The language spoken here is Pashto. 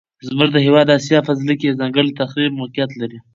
زموږ هیواد د اسیا په زړه کې یو ځانګړی تاریخي موقعیت لري.